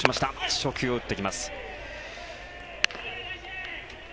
初球を打ってきます。